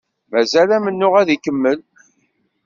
Mazal amennuɣ ad ikemmel.